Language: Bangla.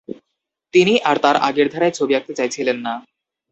তিনি আর আগের ধারায় ছবি আঁকতে চাইছিলেন না।